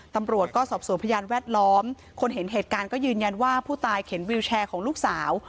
ตำรวจก็สอบสวนพยานแวดล้อมคนเห็นเหตุการณ์ก็ยืนยันว่าผู้ตายเข็นวิวแชร์ของลูกสาว